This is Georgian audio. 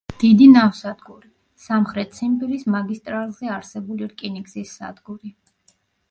დიდი ნავსადგური, სამხრეთ ციმბირის მაგისტრალზე არსებული რკინიგზის სადგური.